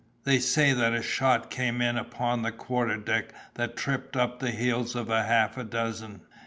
They say that a shot came in upon the quarter deck that tripped up the heels of half a dozen."